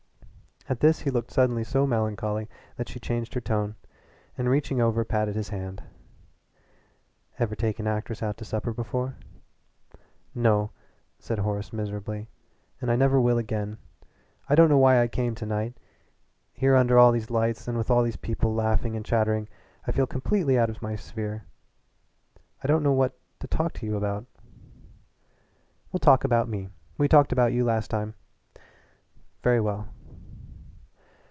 At this he looked suddenly so melancholy that she changed her tone, and reaching over patted his hand. "Ever take an actress out to supper before?" "No," said Horace miserably, "and I never will again. I don't know why I came to night. Here under all these lights and with all these people laughing and chattering I feel completely out of my sphere. I don't know what to talk to you about." "We'll talk about me. We talked about you last time." "Very well."